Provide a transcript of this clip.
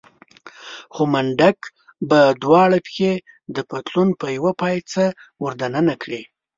خو منډک به دواړه پښې د پتلون په يوه پایڅه ور دننه کړې.